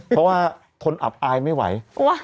เพราะว่าทนอับอายไม่ไหว